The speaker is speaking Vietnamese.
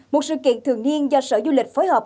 một sự kiện thường niên do sở du lịch phối hợp